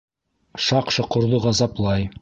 Шаҡ-Шоҡорҙо ғазаплай.